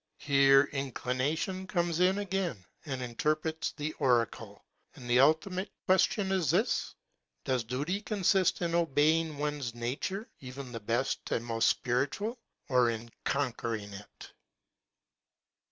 Here inclination comes in again and interprets the oracle. And the ultimate question is this: Does duty con sist in obeying one's nature, even the best and most spiritual ? or in conquering it